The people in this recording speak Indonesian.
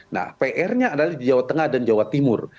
nah pr nya adalah di jawa tengah dan jawa timur